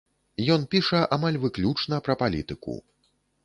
Ён піша амаль выключна пра палітыку.